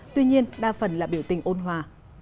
tuy nhiên đa phần là biểu tình ôn hòa